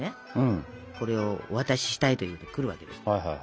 これをお渡ししたいといって来るわけですよ。